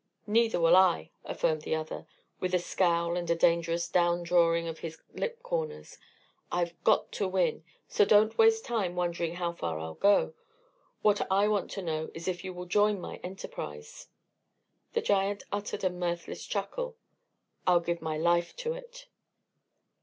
"Neither will I," affirmed the other, with a scowl and a dangerous down drawing of his lip corners. "I've got to win, so don't waste time wondering how far I'll go. What I want to know is if you will join my enterprise." The giant uttered a mirthless chuckle. "I'll give my life to it."